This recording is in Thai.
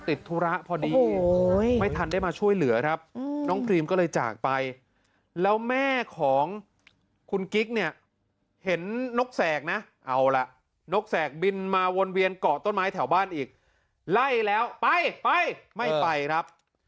ธุระพอดีไม่ทันได้มาช่วยเหลือครับน้องพรีมก็เลยจากไปแล้วแม่ของคุณกิ๊กเนี่ยเห็นนกแสกนะเอาล่ะนกแสกบินมาวนเวียนเกาะต้นไม้แถวบ้านอีกไล่แล้วไปไปไม่ไปครับ